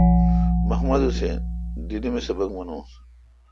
محمد حسین دیلی می سبق منس۔